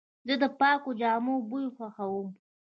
زه د پاکو جامو بوی خوښوم.